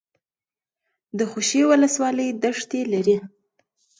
د خوشي ولسوالۍ دښتې لري